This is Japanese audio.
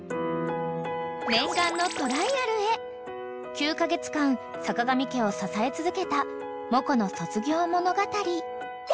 ［９カ月間さかがみ家を支え続けたモコの卒業物語］